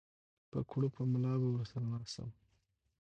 په کړوپه ملا به ورسره ناڅم